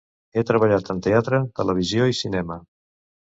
Ha treballat en teatre, televisió i cinema.